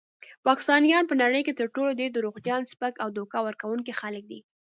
پاکستانیان په نړۍ کې تر ټولو ډیر دروغجن، سپک او دوکه ورکونکي خلک دي.